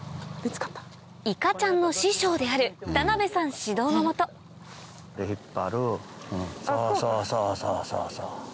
いかちゃんの師匠である田辺さん指導の下そうそうそうそう。